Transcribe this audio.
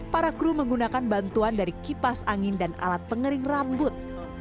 para kru menggunakan bantuan dari kipas angin dan alat pengering rambut